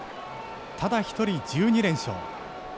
ただ１人、１２連勝。